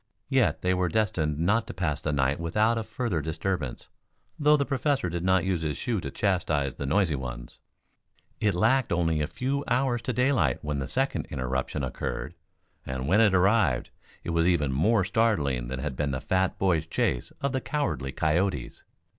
Yet they were destined not to pass the night without a further disturbance, though the Professor did not use his shoe to chastise the noisy ones. It lacked only a few hours to daylight when the second interruption occurred. And when it arrived it was even more startling than had been the fat boy's chase of the cowardly coyotes.